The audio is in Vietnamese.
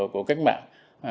của cách mạng